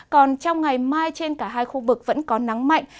còn trong ngày mai trên cả hai khu vực vẫn có nắng mạnh